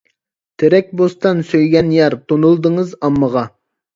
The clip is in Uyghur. تېرەك بوستان، سۆيگەن يار، تونۇلدىڭىز ئاممىغا.